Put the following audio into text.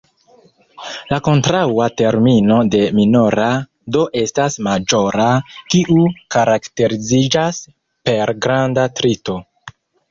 La kontraŭa termino de "minora" do estas "maĵora", kiu karakteriziĝas per granda trito.